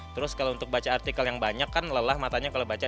terus kalau untuk baca artikel yang banyak kan lelah matanya kalau baca